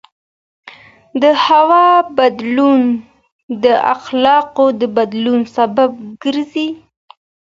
د هوا بدلون د اخلاقو د بدلون سبب ګرځي.